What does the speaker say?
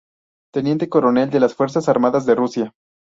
Teniente Coronel de las Fuerzas Armadas de Rusia.